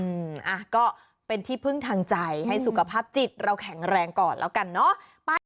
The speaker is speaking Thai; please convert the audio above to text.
อืมอ่ะก็เป็นที่พึ่งทางใจให้สุขภาพจิตเราแข็งแรงก่อนแล้วกันเนอะไป